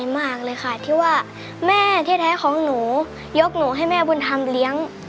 แม่ที่แท้ของหนูยกหนูให้แม่บุญธรรมเลี้ยง